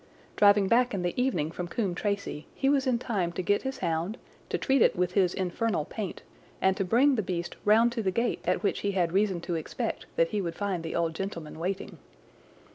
"Driving back in the evening from Coombe Tracey he was in time to get his hound, to treat it with his infernal paint, and to bring the beast round to the gate at which he had reason to expect that he would find the old gentleman waiting.